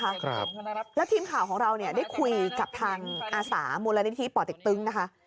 ครับแล้วทีมข่าวของเราเนี่ยได้คุยกับทางอาสามูลนิธิป่อเต็กตึงนะคะ